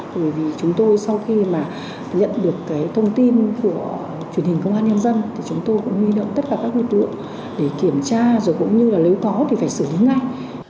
bởi vì chúng tôi sau khi mà nhận được cái thông tin của truyền hình công an nhân dân thì chúng tôi cũng huy động tất cả các lực lượng để kiểm tra rồi cũng như là nếu có thì phải xử lý ngay